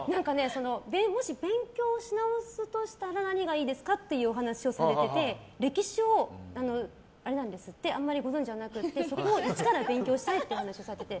もし勉強し直すとしたら何がいいですかっていうお話をされていて、歴史をあんまりご存じじゃなくてそれを一から勉強されたいとお話されてて。